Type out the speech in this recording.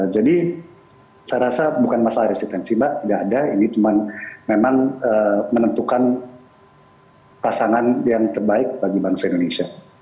jadi saya rasa bukan masalah resistensi mbak tidak ada ini memang menentukan pasangan yang terbaik bagi bangsa indonesia